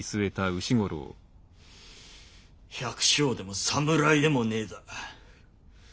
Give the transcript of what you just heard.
百姓でも侍でもねえだ。